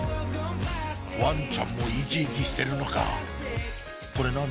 ワンちゃんも生き生きしてるのかこれ何？